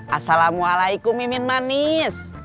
assalamualaikum mimin manis